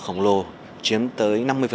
khổng lồ chiếm tới năm mươi